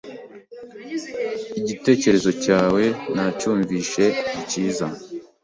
Igitecyerezo cyawe nacyumvishe nikiza